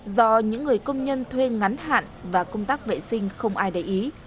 do những người công nhân thuê ngắn hạn và công tác vệ sinh không ai để ý